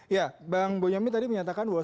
ya bang bonyamin tadi menyatakan bahwa